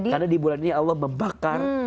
karena di bulan ini allah membakar semua